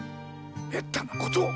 めったなことを。